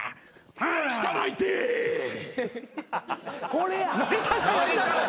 これや。